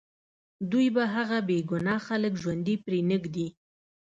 دوی به هغه بې ګناه خلک ژوندي پرېنږدي